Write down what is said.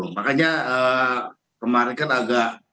makanya kemarin kan agak